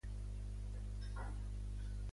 La meva mare es diu Mara Mayo: ema, a, i grega, o.